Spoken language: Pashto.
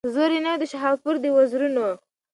زور یې نه وو د شهپر د وزرونو